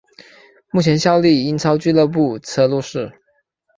目前效力英超俱乐部车路士。